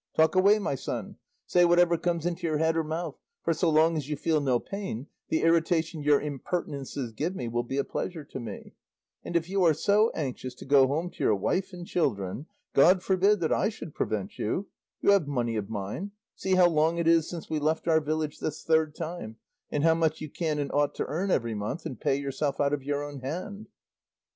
Talk away, my son, say whatever comes into your head or mouth, for so long as you feel no pain, the irritation your impertinences give me will be a pleasure to me; and if you are so anxious to go home to your wife and children, God forbid that I should prevent you; you have money of mine; see how long it is since we left our village this third time, and how much you can and ought to earn every month, and pay yourself out of your own hand."